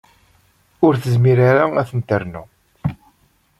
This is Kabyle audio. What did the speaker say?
Ur tezmir ara ad ten-ternu.